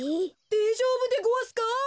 でえじょうぶでごわすか？